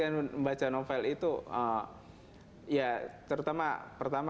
jadi membaca novel itu ya terutama pertama